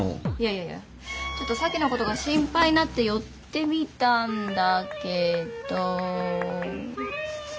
いやいやちょっと沙樹のことが心配になって寄ってみたんだけど。